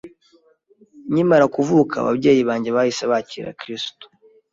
Nkimara kuvuka ababyeyi banjye bahise bakira Kristo,